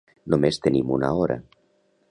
Només tenim una hora.